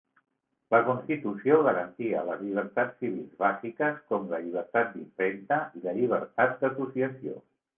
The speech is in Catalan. La Constitució garantia les llibertats civils bàsiques, com la llibertat d'impremta i la llibertat d'associació.